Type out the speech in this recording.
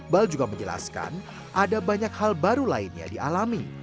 bal juga menjelaskan ada banyak hal baru lainnya dialami